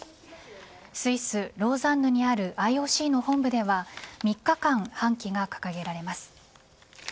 スイスローザンヌにあるＩＯＣの本部では３日間半旗が掲げられます。